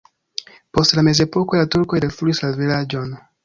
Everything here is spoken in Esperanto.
Post la mezepoko la turkoj detruis la vilaĝon.